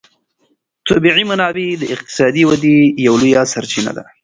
طبیعي منابع د اقتصادي ودې یوه لویه سرچینه ده.